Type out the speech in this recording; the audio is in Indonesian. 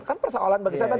kan persoalan bagi saya tadi